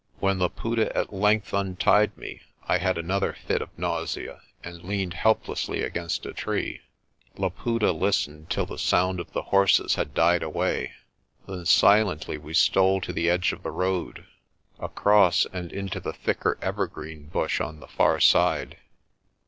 When Laputa at length untied me, I had another fit of nausea and leaned helplessly against a tree. Laputa listened till the sound of the horses had died away; then silently we stole to the edge of the road, across, and into the thicker evergreen bush on the far side.